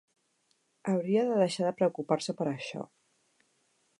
Hauria de deixar de preocupar-se per això.